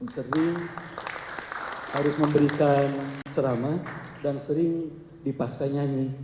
sering harus memberikan ceramah dan sering dipaksa nyanyi